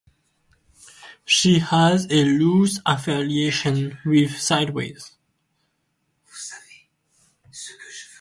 She has a loose affiliation with Sideways.